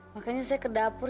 makanya saya ke dapur